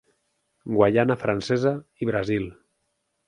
Guaiana Francesa i Brasil.